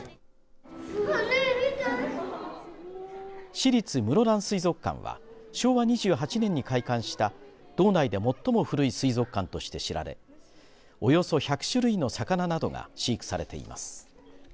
市立室蘭水族館は昭和２８年に開館した道内で最も古い水族館として知られおよそ１００種類の魚などが飼育されています。